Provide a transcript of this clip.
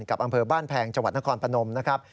อำเภอบ้านแพงจังหวัดนครพนมนะครับ